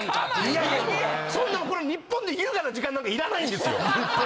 いやいやそんなこの日本で優雅な時間なんかいらないんですよ！